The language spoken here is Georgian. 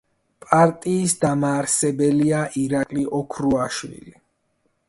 პარტიის დამაარსებელია ირაკლი ოქრუაშვილი.